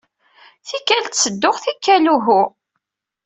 Tikkal ttedduɣ, tikkal uhu.